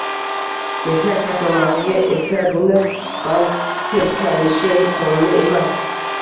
Mehnat shartnomasiga esa bunday band tirkalishi qonuniy emas.